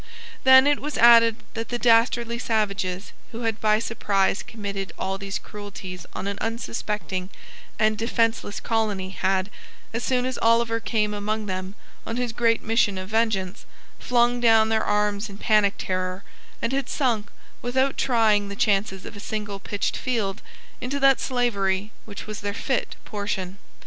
Then it was added that the dastardly savages who had by surprise committed all these cruelties on an unsuspecting and defenceless colony had, as soon as Oliver came among them on his great mission of vengeance, flung down their arms in panic terror, and had sunk, without trying the chances of a single pitched field, into that slavery which was their fit portion.